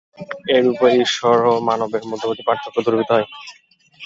এইরূপেই ঈশ্বর ও মানবের মধ্যবর্তী পার্থক্য দূরীভূত হয়।